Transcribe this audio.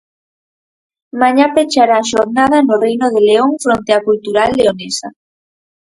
Mañá pechará a xornada no Reino de León fronte á Cultural Leonesa.